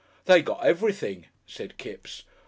"They got everything," said Kipps.